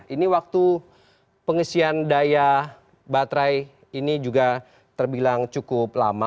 ini waktu pengisian daya baterai ini juga terbilang cukup lama